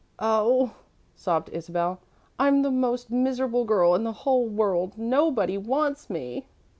"Oh," sobbed Isabel, "I'm the most miserable girl in the whole world. Nobody wants me!"